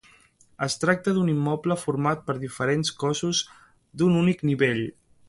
Es tracta d'un immoble format per diferents cossos d'un únic nivell.